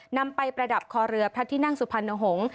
นำไปประดับคอเรือพระที่นั่งสุพรรณหงษ์